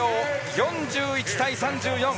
４１対３４。